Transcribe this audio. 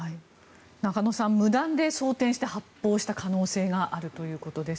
中野さん無断で装てんして発砲した可能性があるということです。